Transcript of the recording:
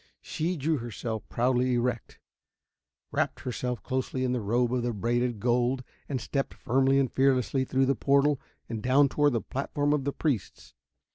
She drew herself proudly erect, wrapped herself closely in the robe of braided gold, and stepped firmly and fearlessly through the portal and down toward the platform of the priests.